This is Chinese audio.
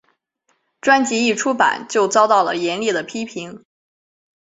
专辑一出版就遭受了严厉的批评。